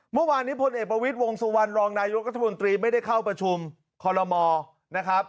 เมื่อวานนี้พลเอกประวิทย์วงสุวรรณรองนายกรัฐมนตรีไม่ได้เข้าประชุมคอลโลมนะครับ